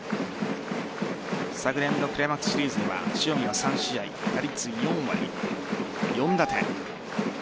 昨年のクライマックスシリーズは塩見は３試合打率４割４打点。